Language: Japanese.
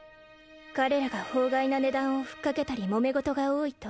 彼らが法外な値段をふっかけたりもめ事が多いと